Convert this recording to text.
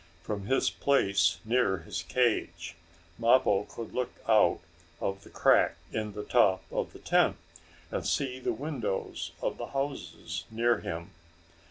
From his place near his cage Mappo could look out of the crack in the top of the tent, and see the windows of the houses near him.